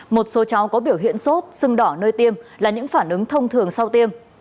một số cháu có biểu hiện sốt sưng đỏ nơi tiêm là những phản ứng thông thường sau tiêm